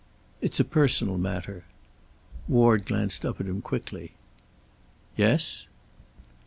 "It's a personal matter." Ward glanced up at him quickly. "Yes?"